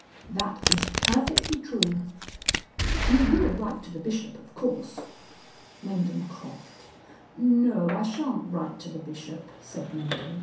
"That is perfectly true." "You will write to the Bishop, of course?" Mendham coughed. "No, I shan't write to the Bishop," said Mendham.